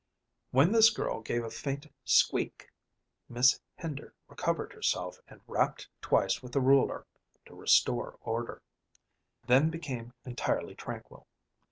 When this girl gave a faint squeak Miss Hender recovered herself, and rapped twice with the ruler to restore order; then became entirely tranquil.